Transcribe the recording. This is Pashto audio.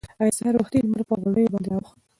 ایا سهار وختي لمر پر غونډیو باندې راوخوت؟